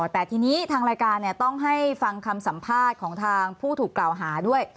แต่ทีนี้ทางรายการต้องให้ฟังคำสัมภาษณ์ของทางผู้ถูกกล่าวหาด้วย